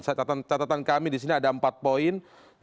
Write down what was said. saya catatan catatan kami disini ada empat poin